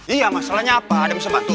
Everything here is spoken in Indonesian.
iya masalahnya apa ada yang bisa bantu